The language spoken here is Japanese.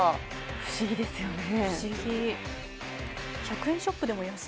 不思議ですよね。